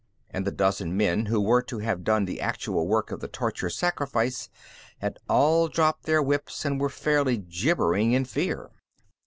And the dozen men who were to have done the actual work of the torture sacrifice had all dropped their whips and were fairly gibbering in fear.